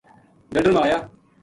ڈڈر ما آیا